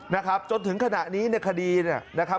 นะครับจนถึงขณะนี้ในคดีเนี่ยนะครับ